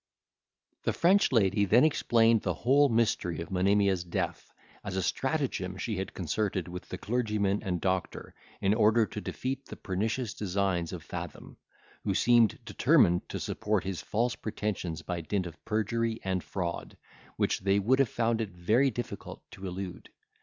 The French lady then explained the whole mystery of Monimia's death, as a stratagem she had concerted with the clergyman and doctor, in order to defeat the pernicious designs of Fathom, who seemed determined to support his false pretensions by dint of perjury and fraud, which they would have found it very difficult to elude.